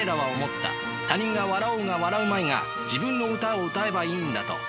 他人が笑おうが笑うまいが自分の歌を歌えばいいんだと。